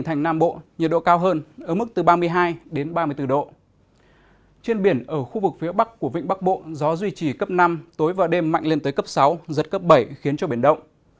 trên biển ở khu vực phía bắc của vịnh bắc bộ gió duy trì cấp năm tối và đêm mạnh lên tới cấp sáu giật cấp bảy khiến cho biển động